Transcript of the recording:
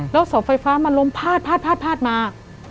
แล้วเสาไฟฟ้ามันล้มพร้าดพร้าดพร้าดมา